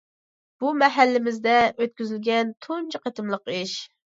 بۇ مەھەللىمىزدە ئۆتكۈزۈلگەن تۇنجى قېتىملىق ئىش.